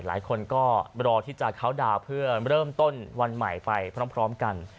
หลายคนก็รอที่จะเข้าดาวน์เพื่อเริ่มต้นวันใหม่ไปพร้อมกัน